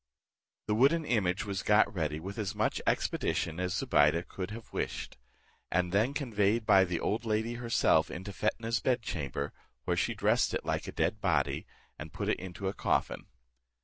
The wooden image was got ready with as much expedition as Zobeide could have wished, and then conveyed by the old lady herself into Fetnah's bed chamber, where she dressed it like a dead body, and put it into a coffin.